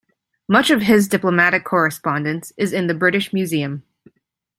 Much of his diplomatic correspondence is in the British Museum.